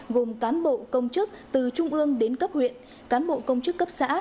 gồm cán bộ công chức từ trung ương đến cấp huyện cán bộ công chức cấp xã